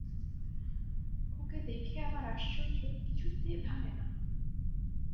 ওঁকে দেখে আমার আশ্চর্য কিছুতে ভাঙে না।